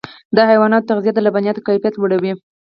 د حیواناتو تغذیه د لبنیاتو کیفیت لوړوي.